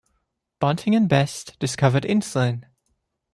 Banting and Best discovered insulin.